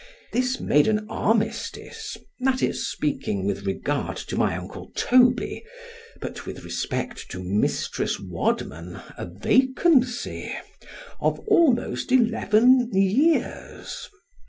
This made an armistice (that is, speaking with regard to my uncle Toby—but with respect to Mrs. Wadman, a vacancy)—of almost eleven years.